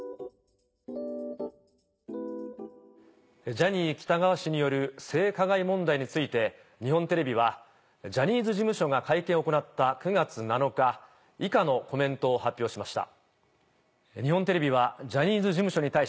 ジャニー喜多川による性加害問題について日本テレビはジャニーズ事務所が会見を行った９月７日以下のコメントを発表しました。